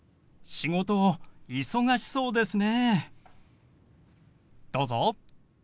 「仕事忙しそうですね」。